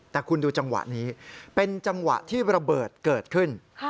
แต่คุณดูจังหวะนี้เป็นจังหวะที่ระเบิดเกิดขึ้น